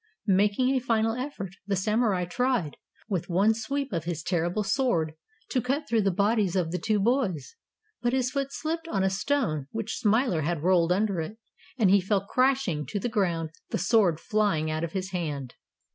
Making a final effort, the Samurai tried, with one sweep of his terrible sword, to cut through the bodies of the two boys. But his foot slipped on a stone which Smiler had rolled under it, and he fell crashing to the ground, the sword flying out of his hand.